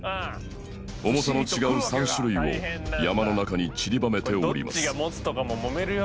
重さの違う３種類を山の中にちりばめております